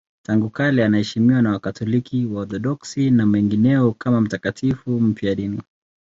Tangu kale anaheshimiwa na Wakatoliki, Waorthodoksi na wengineo kama mtakatifu mfiadini.